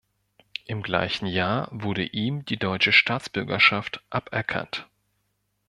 Im gleichen Jahr wurde ihm die deutsche Staatsbürgerschaft aberkannt.